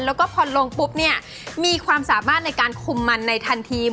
แล้วก็พอลงปุ๊บเนี่ยมีความสามารถในการคุมมันในทันที